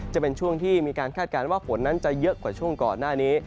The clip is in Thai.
จะเป็นช่วงที่มีการคาดการณ์ว่าฝนนั้นจะเยอะกว่าช่วงก่อนหน้านี้